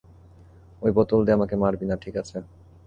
ঐ বোতল দিয়ে আমাকে মারবি না, ঠিক আছে?